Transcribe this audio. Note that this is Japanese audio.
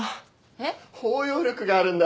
包容力があるんだ。